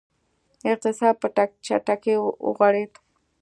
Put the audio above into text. اقتصاد په چټکۍ وغوړېد.